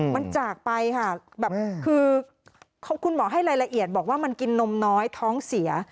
มันจากไปค่ะแบบคือคุณหมอให้รายละเอียดบอกว่ามันกินนมน้อยท้องเสีย